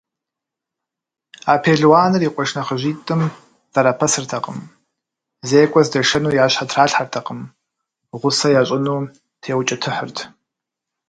А пелуаныр и къуэш нэхъыжьитӏым зэрапэсыртэкъым: зекӏуэ здашэну я щхьэ тралъхьэртэкъым, гъусэ ящӏыну теукӏытыхьырт.